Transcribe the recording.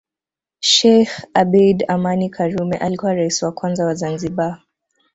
Sheikh Abeid Amani Karume alikuwa Rais wa kwanza wa Zanzibar